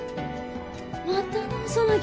また直さなきゃ。